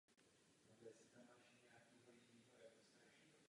Z loubí je tento prostor dostupný průjezdem umístěným poblíž rohové budovy kotelny.